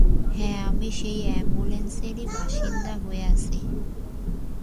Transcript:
হ্যাঁ, আমি সেই অ্যাম্বুলেন্সেরই বাসিন্দা হয়ে আছি।